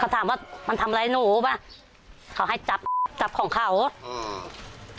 ถามว่ามันทำอะไรหนูป่ะเขาให้จับจับของเขาอืม